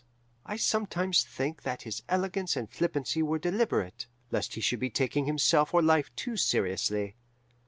I sometimes think that his elegance and flippancy were deliberate, lest he should be taking himself or life too seriously.